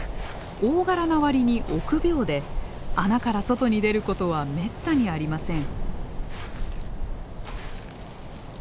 大柄な割に臆病で穴から外に出ることはめったにありません。